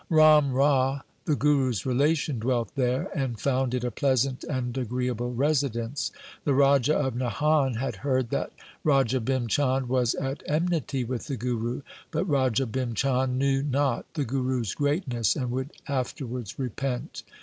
Ram Rai, the Guru's relation, dwelt there, and found it a pleasant and agreeable residence. The Raja of Nahan had heard that Raja Bhim Chand was at enmity with the Guru, but Raja Bhim Chand knew not the Guru's greatness and would afterwards repent.